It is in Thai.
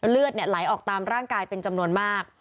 เลือดไหลออกตามร่างกายเป็นจำนวนมาก